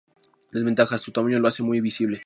Desventajas: Su tamaño lo hace muy visible.